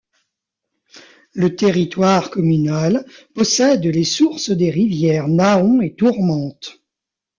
Le territoire communal possède les sources des rivières Nahon et Tourmente.